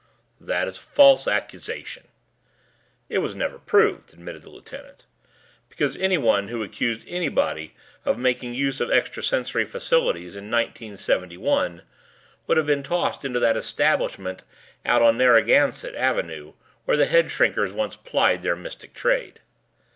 "That is a false accusation " "It was never proved," admitted the lieutenant, "because any one who accused anybody of making use of extrasensory faculties in 1971 would have been tossed into that establishment out on Narragansett Avenue where the headshrinkers once plied their mystic trade."